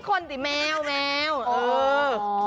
ไม่ใช่คนสิแมวแมวเออ